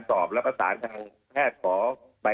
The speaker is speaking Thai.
ดรวมี่